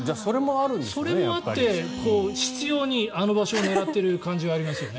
それもあって執ようにあの場所を狙っている感じもありますよね。